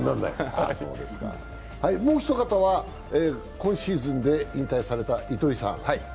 もうひと方は、今シーズンで引退された糸井さん。